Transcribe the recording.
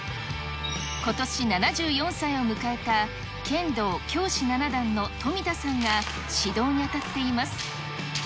ことし７４歳を迎えた、剣道教士７段の冨田さんが指導に当たっています。